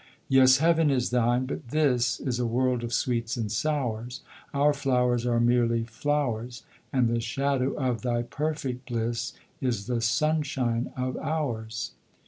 Yes, Heaven is thine; but this Is a world of sweets and sours; Our flowers are merely flowers, And the shadow of thy perfect bliss Is the sunshine of ours.